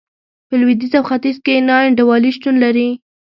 په لوېدیځ او ختیځ کې نا انډولي شتون لري.